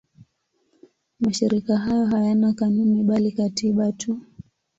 Mashirika hayo hayana kanuni bali katiba tu.